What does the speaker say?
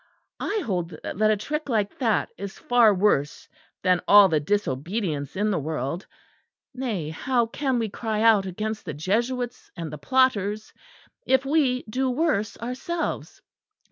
I hold that a trick like that is far worse than all the disobedience in the world; nay how can we cry out against the Jesuits and the plotters, if we do worse ourselves?